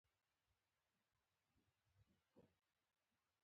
خو فقر او بېوزلۍ ته تسلیمېدل ډېر بد دي